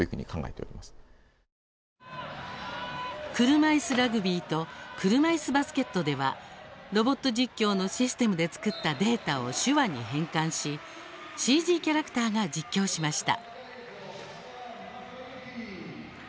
車いすラグビーと車いすバスケットではロボット実況のシステムで作ったデータを手話に変換しＣＧキャラクターが実況しました。